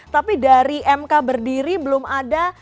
tapi dari mk berdiri belum ada